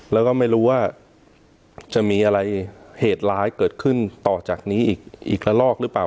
แล้วก็ไม่รู้ว่าจะมีอะไรเหตุร้ายเกิดขึ้นต่อจากนี้อีกละลอกหรือเปล่า